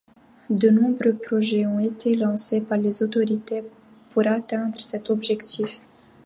De nombreux projets ont été lancés par les autorités pour atteindre cet objectif.